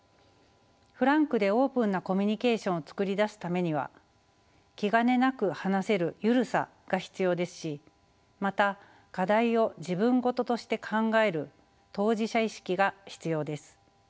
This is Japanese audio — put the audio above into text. フランクでオープンなコミュニケーションを作り出すためには気兼ねなく話せる緩さが必要ですしまた課題を自分事として考える当事者意識が必要です。